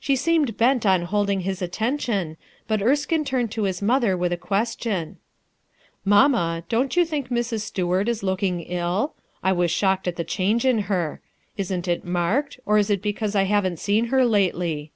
She seemed bent on holding his attention, but Erskine turned to his mother with a question. "Mamma, don't you think Mrs. Stuart is looking ill ? I wa3 shocked at the change in her. Isn't it marked, or is it because I haven't seen her lately?"